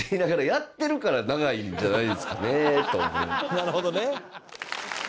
なるほどね。